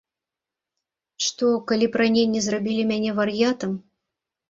Што, калі б раненні зрабілі мяне вар'ятам?